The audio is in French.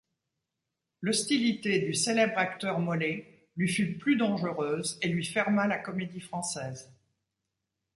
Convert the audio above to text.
L’hostilité du célèbre acteur Molé lui fut plus dangereuse et lui ferma la Comédie-Française.